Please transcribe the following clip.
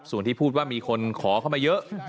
ส่วนที่พูดว่ามีคนขอเข้ามาเยอะ